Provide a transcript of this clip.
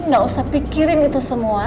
gak usah pikirin itu semua